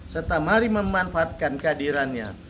serta mari memanfaatkan kehadirannya